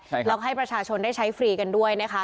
แล้วก็ให้ประชาชนได้ใช้ฟรีกันด้วยนะคะ